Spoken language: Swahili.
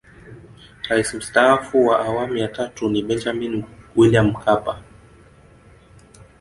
Rais Mstaafu wa Awamu ya tatu ni Benjamini William Mkapa